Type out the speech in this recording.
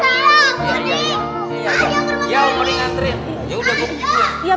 dokter bagaimana keadaan mama saya